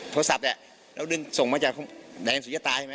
อ้อปล่อยพลังเบิ่งดึงบุญเหมือนวางแรงสุริยะตายนะ